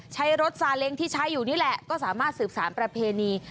ใช้รถซาเล้งที่ใช้อยู่นี่แหละก็สามารถสืบสารประเพณี